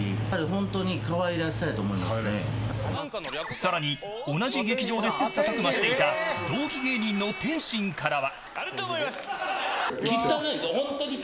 さらに同じ劇場で切磋琢磨していた同期芸人の天津からは。